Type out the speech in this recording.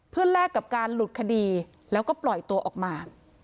เพื่อแลกกับการหลุดคดีแล้วก็ปล่อยตัวออกมา